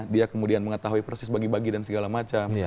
dia kemudian mengetahui persis bagi bagi dan segala macam